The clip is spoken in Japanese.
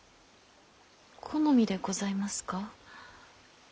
好みでございますか？